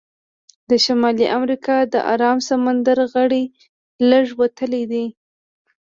د شمالي امریکا د ارام سمندر غاړې لږې وتلې دي.